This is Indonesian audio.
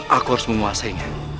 aku harus menguasainya